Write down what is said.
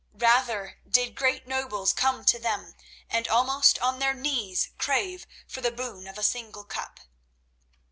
Rather did great nobles come to them, and almost on their knees crave for the boon of a single cup.